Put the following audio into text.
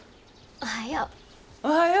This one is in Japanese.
おはよう。